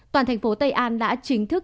toàn thành phố tây an đã chính thức